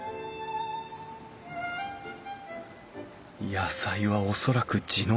野菜は恐らく地のもの。